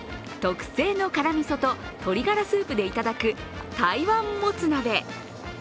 特製の辛みそと鶏ガラスープで頂く台湾もつ鍋。